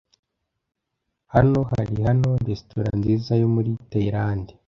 Hano hari hano resitora nziza yo muri Tayilande.